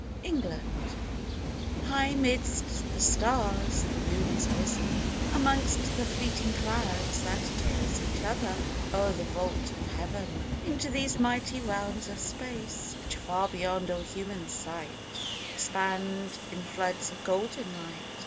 MOONLIGHT. HIGH midst the stars the moon is risen, Amongst the fleeting clouds that chase Each other o'er the vault of heaven Into those mighty realms of space, Which far beyond all human sight Expand in floods of golden light.